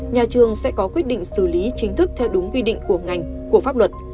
nhà trường sẽ có quyết định xử lý chính thức theo đúng quy định của ngành của pháp luật